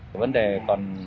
còn vấn đề còn